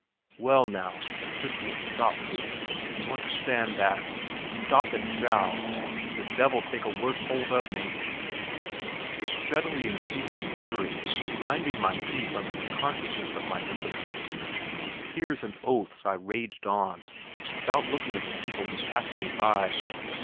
Well, now, there should be a stop to it. Do you understand that? Stop it shall, or the devil take a worse hold of me. With steadily increasing fury, grinding my teeth under the consciousness of my impotence, with tears and oaths I raged on, without looking at the people who passed me by.